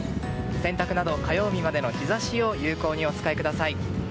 洗濯などは火曜日までの日差しを有効にお使いください。